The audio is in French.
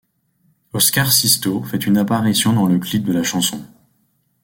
Oscar Sisto fait une apparition dans le clip de la chanson.